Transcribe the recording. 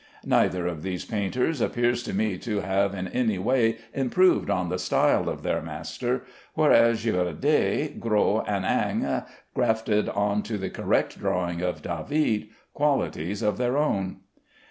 Neither of these painters appears to me to have in any way improved on the style of their master, whereas Girodet, Gros, and Ingres grafted on to the correct drawing of David qualities of their own.